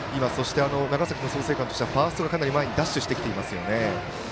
長崎の創成館としてもファーストがかなりダッシュしてきていますよね。